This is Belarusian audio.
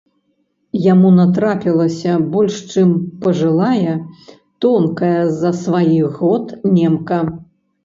Яму натрапілася больш чым пажылая, тонкая з-за сваіх год, немка.